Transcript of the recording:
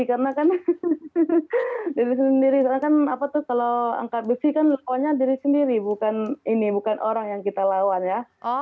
karena kan kalau angkat besi kan lawannya diri sendiri bukan orang yang kita lawan ya